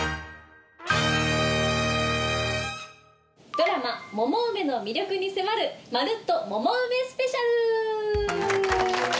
ドラマ『モモウメ』の魅力に迫る「まるっとモモウメスペシャル」！